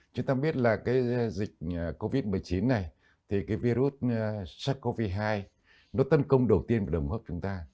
chúng ta biết là cái dịch covid một mươi chín này thì cái virus sars cov hai nó tấn công đầu tiên của đồng hới chúng ta